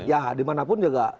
ya dimanapun juga